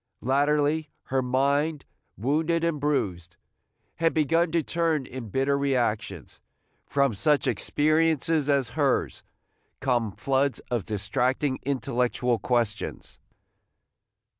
Latterly, her mind, wounded and bruised, had begun to turn in bitter reactions. From such experiences as hers come floods of distracting intellectual questions.